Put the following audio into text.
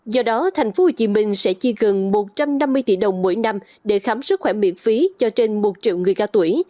do đó tp hcm sẽ chi gần một trăm năm mươi tỷ đồng mỗi năm để khám sức khỏe miễn phí cho trên một triệu người cao tuổi